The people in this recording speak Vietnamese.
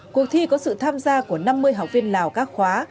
cuộc thi có sự tham gia của năm mươi học viên lào các khóa